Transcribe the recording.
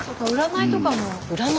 占い。